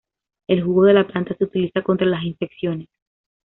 El jugo de la planta se utiliza contra las infecciones.